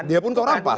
dia pun kau rampas